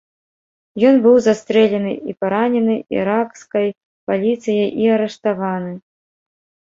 Ён быў застрэлены і паранены іракскай паліцыяй і арыштаваны.